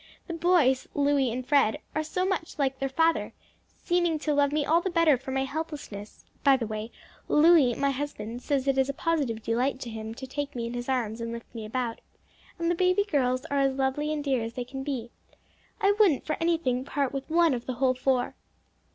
The boys, Louis and Fred, are so much like their father seeming to love me all the better for my helplessness (by the way, Louis, my husband, says it is a positive delight to him to take me in his arms and lift me about) and the baby girls are as lovely and dear as they can be. I wouldn't for anything part with one of the whole four."